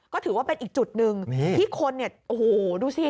ก็ถือว่าเป็นอีกจุดหนึ่งที่คนเนี่ยโอ้โหดูสิ